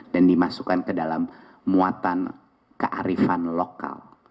dan dimasukkan ke dalam muatan kearifan lokal